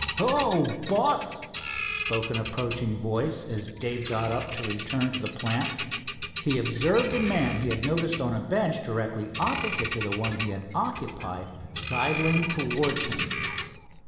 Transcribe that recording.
"Hello, boss," spoke an approaching voice as Dave got up to return to the plant. He observed a man he had noticed on a bench directly opposite to the one he had occupied sidling towards him.